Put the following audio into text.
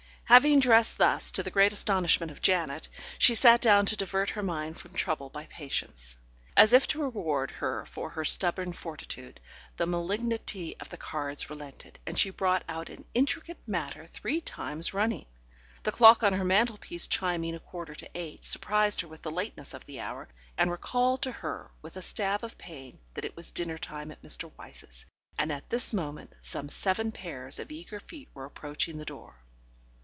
Having dressed thus, to the great astonishment of Janet, she sat down to divert her mind from trouble by Patience. As if to reward her for her stubborn fortitude, the malignity of the cards relented, and she brought out an intricate matter three times running. The clock on her mantelpiece chiming a quarter to eight, surprised her with the lateness of the hour, and recalled to her with a stab of pain that it was dinner time at Mr. Wyse's, and at this moment some seven pairs of eager feet were approaching the door.